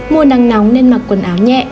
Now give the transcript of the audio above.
mùa nắng nóng nên mặc quần áo nhẹ